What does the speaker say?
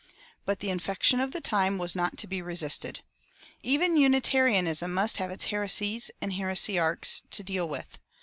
But the infection of the time was not to be resisted. Even Unitarianism must have its heresies and heresiarchs to deal with.